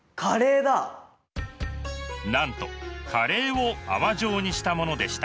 なんとカレーを泡状にしたものでした。